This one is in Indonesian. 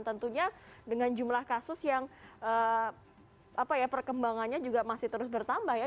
tentunya dengan jumlah kasus yang perkembangannya juga masih terus bertambah ya